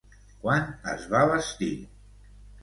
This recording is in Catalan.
Quan es va bastir?